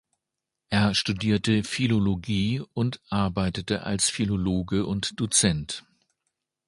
Er studierte Philologie und arbeitete als Philologe und Dozent.